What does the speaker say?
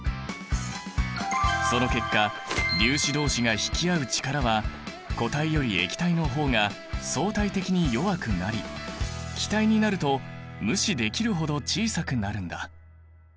その結果粒子どうしが引き合う力は固体より液体の方が相対的に弱くなり気体になると無視できるほど小さくなるんだ。